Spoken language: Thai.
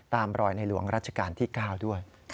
ตามรอยในหลวงรัชกาลที่๙ด้วย